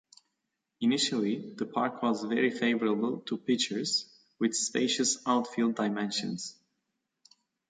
Initially the park was very favorable to pitchers, with spacious outfield dimensions.